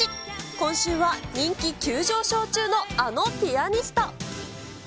今週は人気急上昇中のあのピアニスト。